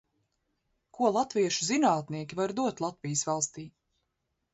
Ko latviešu zinātnieki var dot Latvijas valstij?